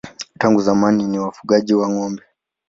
Tangu zamani ni wafugaji wa ng'ombe.